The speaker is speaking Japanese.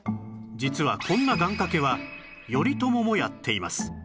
実はこんな願掛けは頼朝もやっています